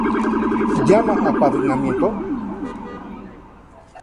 Llama apadrinamiento?